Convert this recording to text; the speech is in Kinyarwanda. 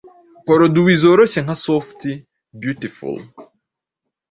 poroduwi zoroshye nka soft beautiful,